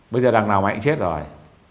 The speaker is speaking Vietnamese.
bây giờ đằng nào mày cũng chết rồi